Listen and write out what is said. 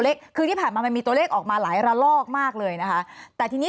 คือที่ผ่านมามันมีตัวเลขออกมาหลายระลอกมากเลยนะคะแต่ทีนี้